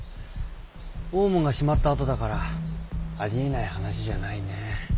大門が閉まったあとだからありえない話じゃないね。